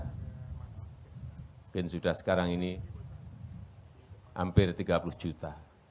mungkin sudah sekarang ini hampir tiga puluh juta